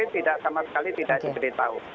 tidak sama sekali tidak diberitahu